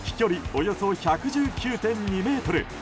およそ１１９．２ｍ。